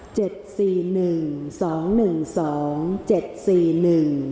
ออกรวมที่สองครั้งที่สี่เลขที่สี่เลขที่ออก